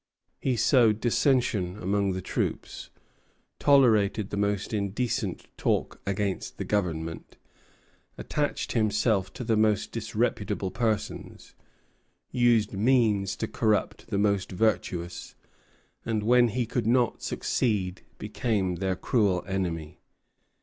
He sowed dissension among the troops, tolerated the most indecent talk against the government, attached to himself the most disreputable persons, used means to corrupt the most virtuous, and, when he could not succeed, became their cruel enemy.